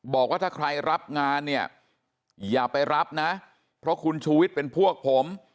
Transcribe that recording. บอกว่าถ้าใครรับงานเนี่ยอย่าไปรับนะเพราะคุณชูวิทย์เป็นพวกผม